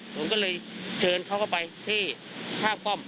ผมก็เลยเชิญเขาก็ไปที่ท่าป้อม